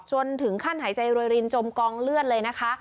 ถึงขั้นหายใจโรยรินจมกองเลือดเลยนะคะ